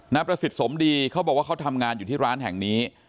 ประสิทธิ์สมดีเขาบอกว่าเขาทำงานอยู่ที่ร้านแห่งนี้